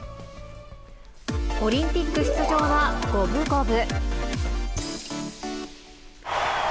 オリンピック出場は五分五分。